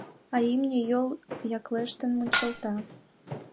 А имне йол яклештын мунчалта.